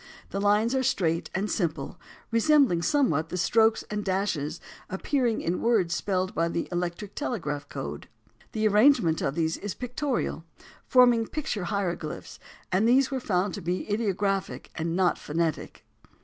The lines are straight and simple, resembling somewhat the strokes and dashes appearing in words spelled by the electric telegraphic code. The arrangement of these is pictorial, forming picture hieroglyphics, and these were found to be ideographic and not phonetic.